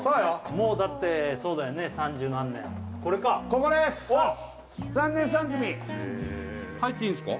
もうだってそうだよね三十何年これかここです３年３組入っていいんすか？